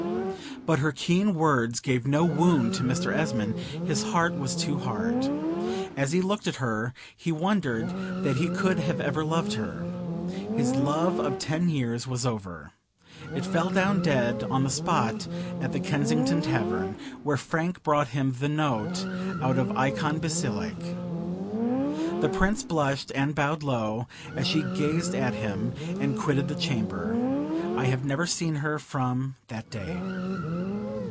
But her keen words gave no wound to Mr. Esmond; his heart was too hard. As he looked at her, he wondered that he could ever have loved her. His love of ten years was over; it fell down dead on the spot, at the Kensington Tavern, where Frank brought him the note out of "Eikon Basilike." The Prince blushed and bowed low, as she gazed at him, and quitted the chamber. I have never seen her from that day.